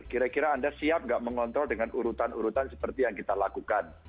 kira kira anda siap nggak mengontrol dengan urutan urutan seperti yang kita lakukan